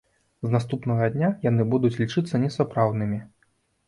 З наступнага дня яны будуць лічыцца несапраўднымі.